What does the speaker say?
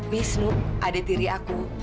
wisnu ada diri aku